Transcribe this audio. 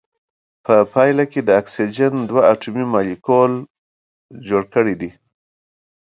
په پایله کې د اکسیجن دوه اتومي مالیکول جوړ کړی دی.